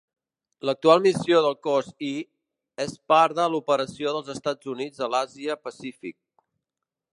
L'actual missió del Cos I és part de l'operació dels Estats Units a l'Àsia-Pacífic.